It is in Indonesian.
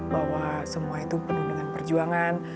bahwa semua itu penuh dengan perjuangan